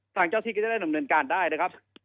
ทางเจ้าที่ก็จะได้ดำเนินการได้นะครับ